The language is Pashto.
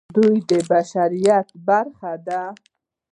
دوی د بشریت برخه دي.